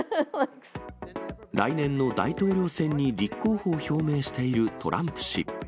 来年の大統領選に立候補を表明しているトランプ氏。